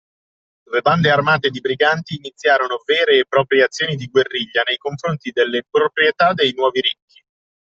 Dove bande armate di briganti iniziarono vere e proprie azioni di guerriglia nei confronti delle proprietà dei nuovi ricchi.